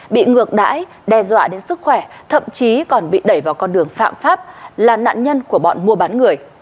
bị ngược đãi đe dọa đến sức khỏe thậm chí còn bị đẩy vào con đường phạm pháp là nạn nhân của bọn mua bán người